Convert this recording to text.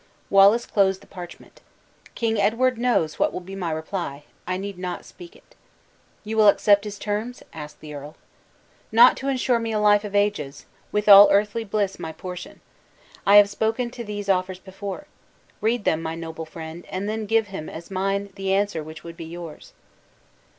Wallace closed the parchment. "King Edward knows what will be my reply, I need not speak it." "You will accept his terms?" asked the earl. "Not to insure me a life of ages, with all earthly bliss my portion! I have spoken to these offers before. Read them, my noble friend, and then give him as mine the answer which would be yours."